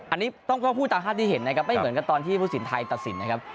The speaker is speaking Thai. อันนี้ต้องพูดตามภาพที่เห็นนะครับไม่เหมือนกับตอนที่ผู้สินไทยตัดสินนะครับ